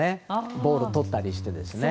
ボールをとったりして。